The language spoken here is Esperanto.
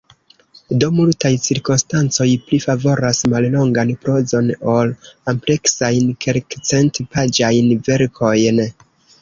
Do, multaj cirkonstancoj pli favoras mallongan prozon ol ampleksajn, kelkcentpaĝajn verkojn.